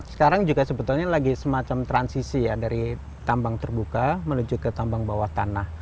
sekarang juga sebetulnya lagi semacam transisi ya dari tambang terbuka menuju ke tambang bawah tanah